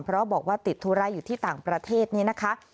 เพราะบอกว่าติดธุระอยู่ที่ต่างประเทศนี้นะคะ